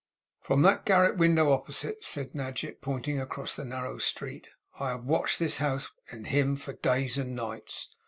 'From that garret window opposite,' said Nadgett, pointing across the narrow street, 'I have watched this house and him for days and nights.